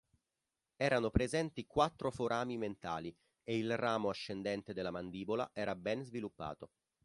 Erano presenti quattro forami mentali e il ramo ascendente della mandibola era ben sviluppato.